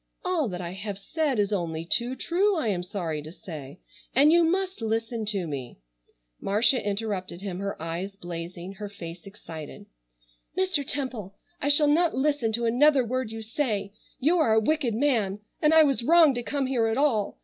"All that I have said is only too true, I am sorry to say, and you must listen to me——" Marcia interrupted him, her eyes blazing, her face excited: "Mr. Temple, I shall not listen to another word you say. You are a wicked man and I was wrong to come here at all.